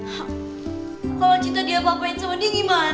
kalau cinta dia apa apain sama dia gimana